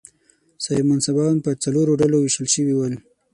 صاحب منصبان پر څلورو ډلو وېشل شوي ول.